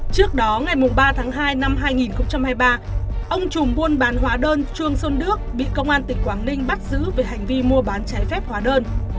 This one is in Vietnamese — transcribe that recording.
trước đó ngày ba tháng hai năm hai nghìn hai mươi ba ông trùm buôn bán hóa đơn chuông xuân đức bị công an tỉnh quảng ninh bắt giữ về hành vi mua bán trái phép hóa đơn